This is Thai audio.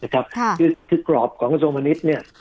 คือกรอบของสวมนิตรเนี่ย